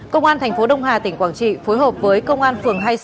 công an tp đông hà tỉnh quảng trị phối hợp với công an phường hai mươi sáu